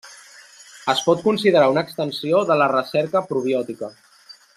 Es pot considerar una extensió de la recerca probiòtica.